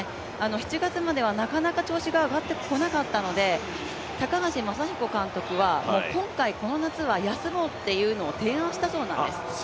７月まではなかなか調子が上がってこなかったので、高橋昌彦監督は今回、この夏は休もうというのを提案したそうなんです。